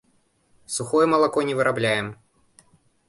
Сухое малако не вырабляем.